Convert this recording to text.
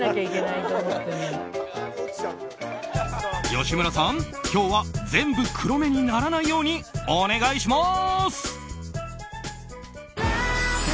吉村さん、今日は全部、黒目にならないようにお願いします！